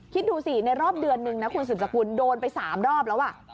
คิดดูในรอบเดือนหนึ่งสมศกุลโดนไป๓รอบแล้ว